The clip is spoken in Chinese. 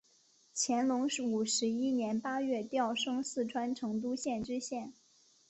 乾隆五十一年八月调升四川成都县知县。